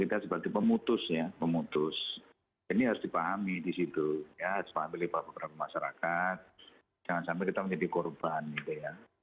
kita sebagai pemutus ya pemutus ini harus dipahami di situ ya harus dipahami oleh beberapa masyarakat jangan sampai kita menjadi korban gitu ya